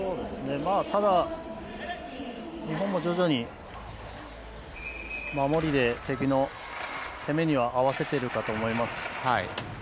ただ、日本も徐々に守りで敵の攻めには合わせているかと思います。